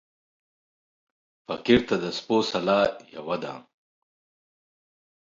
فقير ته د سپو سلا يوه ده.